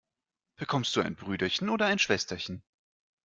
Bekommst du ein Brüderchen oder ein Schwesterchen?